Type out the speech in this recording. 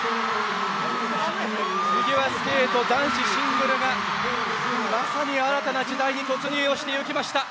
フィギュアスケート男子シングルがまさに新たな時代に突入をしてゆきました。